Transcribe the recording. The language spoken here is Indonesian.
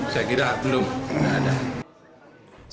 saya kira belum ada